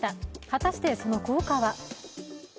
果たしてその効果は？